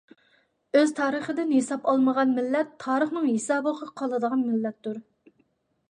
ئۆز تارىخىدىن ھېساب ئالمىغان مىللەت تارىخنىڭ ھېسابىغا قالىدىغان مىللەتتۇر.